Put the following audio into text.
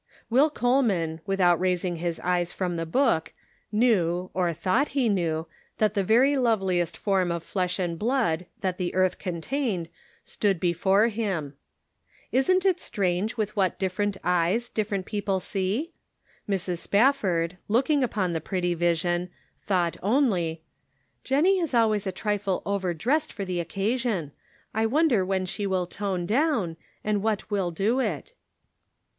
Will Coleman, without raising his eyes from the book, knew, or thought he knew, that the very loveliest form of flesh and blood that the earth contained stood before him. Isn't it strange with what different eyes differ ent people see ? Mrs. Spafford, looking upon the pretty vision thought only : "Jennie is always a trifle overdressed for the occasion. I wonder when she will tone down, and what will do it